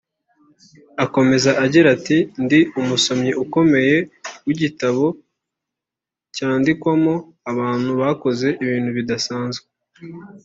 Akomeza agira ati “Ndi umusomyi ukomeye w’igitabo cyandikwamo abantu bakoze ibintu bidasanze